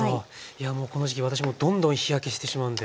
いやこの時期私もどんどん日焼けしてしまうので。